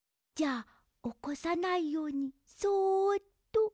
じゃあおこさないようにそっと。